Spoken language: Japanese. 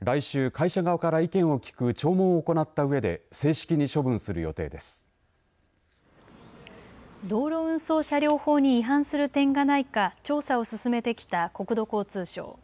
来週、会社側から意見を聞く聴聞を行ったうえで道路運送車両法に違反する点がないか調査を進めてきた国土交通省。